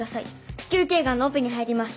子宮頸がんのオペに入ります。